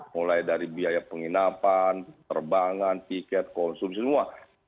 mulai dari biaya penginapan terbangan tiket konsumsi semua